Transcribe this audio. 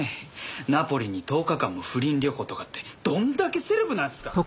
ナポリに１０日間も不倫旅行とかってどんだけセレブなんすか！？